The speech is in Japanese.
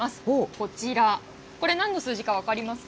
こちら、これ、なんの数字か分かりますか？